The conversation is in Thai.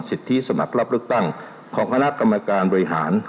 สิทธิสมัครรับเลือกตั้งของคณะกรรมการบริหาร